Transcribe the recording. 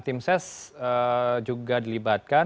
tim ses juga dilibatkan